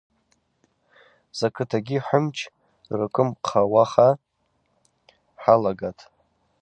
Закӏытагьи хӏымч рыквымхъахуа хӏалагатӏ.